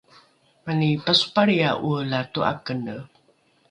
mani pasopalriae ’oela to’akene